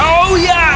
aku sudah menang